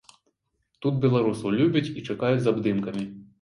Тут беларусаў любяць і чакаюць з абдымкамі.